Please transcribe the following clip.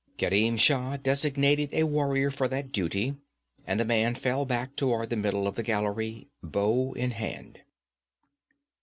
Kerim Shah designated a warrior for that duty, and the man fell back toward the middle of the gallery, bow in hand.